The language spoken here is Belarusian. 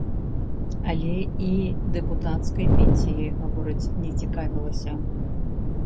Але і дэпутацкай пенсіяй, гавораць, не цікавілася.